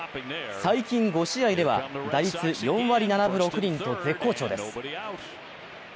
最近５試合では打率４割７分６厘と絶好調です。